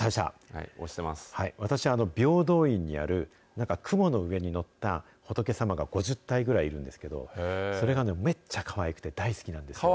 私、平等院にあるなんか雲に上に乗った仏様が５０体ぐらいいるんですけど、それがめっちゃかわいくて、大好きなんですよ。